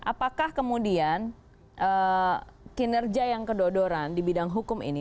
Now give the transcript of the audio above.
apakah kemudian kinerja yang kedodoran di bidang hukum ini